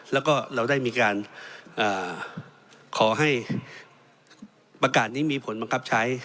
แล้วก็เราได้มีการขอให้ประกาศนี้มีผลบังคับใช้